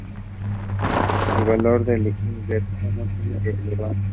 El valor de la inversión no fue revelado.